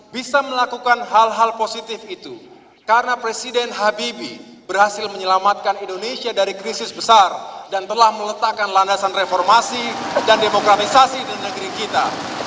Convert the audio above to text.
bisa melakukan hal hal positif itu karena presiden habibie berhasil menyelamatkan indonesia dari krisis besar dan telah meletakkan landasan reformasi dan demokratisasi di negeri kita